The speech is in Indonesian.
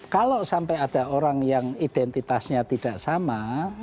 kalau sampai ada orang yang identitasnya tidak sama